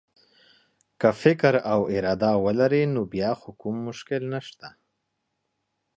فکر او اراده ولري نو بیا خو کوم مشکل نشته.